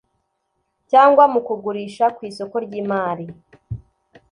cyangwa mu kugurisha ku isoko ry imari